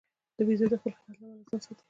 بیزو د خپل قوت له امله ځان ساتي.